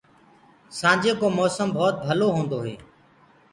سآنجي ڪو موسم ڀوت ڀلو هوندو هي۔